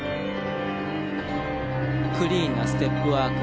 クリーンなステップワーク